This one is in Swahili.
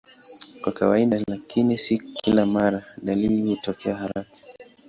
Kwa kawaida, lakini si kila mara, dalili hutokea haraka.